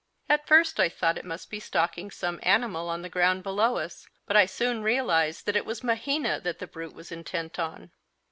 At first I thought it must be stalking some animal on the ground below us, but I soon realised that it was Mahina that the brute was intent on.